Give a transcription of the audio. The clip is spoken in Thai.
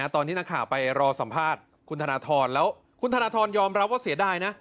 ตอนที่นักข่าวไปรอสัมภาษณ์คุณธนทรแล้วคุณธนทรยอมรับว่าเสียดายนะ